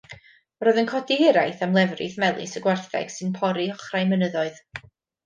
Roedd yn codi hiraeth am lefrith melys y gwartheg sy'n pori ochrau mynyddoedd.